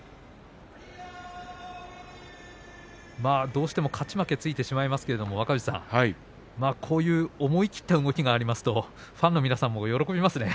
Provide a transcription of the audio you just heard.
どうしても勝ち負けがついてしまいますが若藤さん、こういった思い切った動きがありますとファンの皆さんも喜びますね。